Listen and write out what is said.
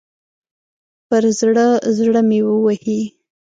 پر زړه، زړه مې ووهئ